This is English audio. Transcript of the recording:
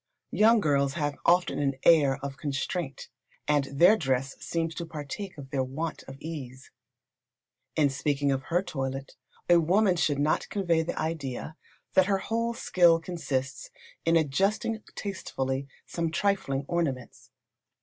Young girls have often an air of constraint, and their dress seems to partake of their want of ease. In speaking of her toilet, a women should not convey the idea that her whole skill consists in adjusting tastefully some trifling ornaments.